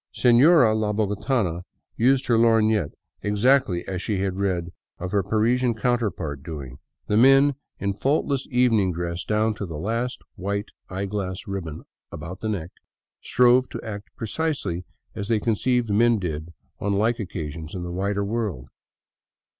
Seiiora la bogotana used her lorgnette exactly as she had read of her Parisian counterpart doing; the men, in faultless 34 THE CLOISTERED CITY evening dress down to the last white eyeglass ribbon about the neck, strove to act precisely as they conceived men did on like occasions in the wider world.